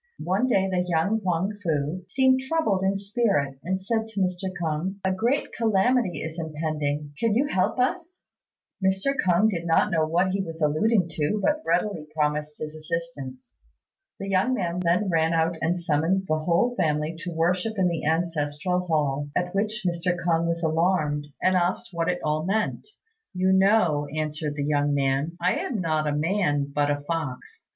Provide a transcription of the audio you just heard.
One day the young Huang fu seemed troubled in spirit, and said to Mr. K'ung, "A great calamity is impending. Can you help us?" Mr. K'ung did not know what he was alluding to, but readily promised his assistance. The young man then ran out and summoned the whole family to worship in the ancestral hall, at which Mr. K'ung was alarmed, and asked what it all meant. "You know," answered the young man, "I am not a man but a fox.